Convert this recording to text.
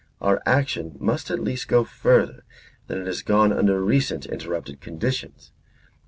Our action must at least go further than it has gone under recent interrupted conditions.